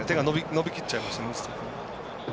伸びきっちゃいましたね。